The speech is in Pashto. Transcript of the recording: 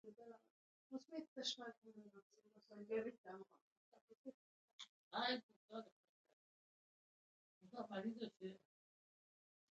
د ژبي معیار باید وساتل سي.